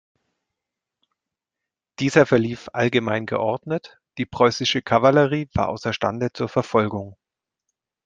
Dieser verlief allgemein geordnet, die preußische Kavallerie war außerstande zur Verfolgung.